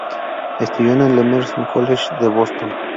Estudió en el Emerson College de Boston.